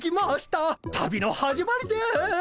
旅の始まりです。